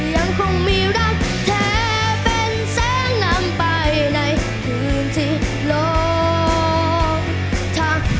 ยังคงมีรักแท้เป็นแสนนำไปในคืนที่ลงทาง